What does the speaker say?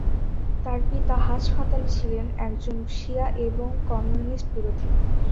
তার পিতা হাজ-ফাতালি ছিলেন একজন শিয়া এবং কমিউনিস্ট বিরোধী।